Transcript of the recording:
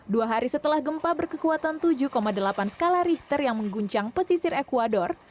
dua hari setelah gempa berkekuatan tujuh delapan skala richter yang mengguncang pesisir ecuador